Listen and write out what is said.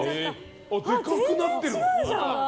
でかくなってる！